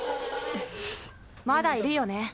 まだいるよね。